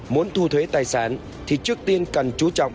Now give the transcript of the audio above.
muốn thu thuế tài sản thì trước tiên cần chú trọng